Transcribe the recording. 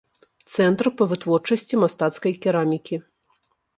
Цэнтр па вытворчасці мастацкай керамікі.